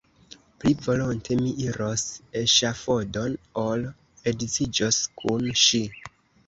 Pli volonte mi iros eŝafodon, ol edziĝos kun ŝi!